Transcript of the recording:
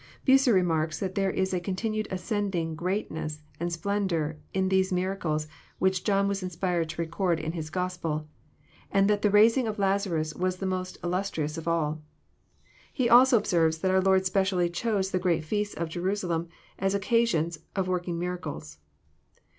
Bucer remarks that there is a continually ascending greatness and splendour in those miracles which John was inspired to re cord in his Gospel, and that the raising of Lazarus was the most illustrious of all. He also observes that our Lord specially chose the great feasts at Jerusalem as occasions of working miracles.